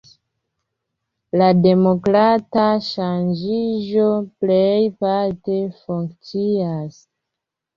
La demokrata ŝanĝiĝo plejparte funkcias.